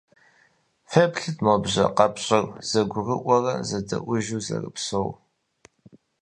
Феплъыт, мо бжьэ къэпщӀыр зэгурыӀуэрэ зэдэӀуэжу зэрыпсэур.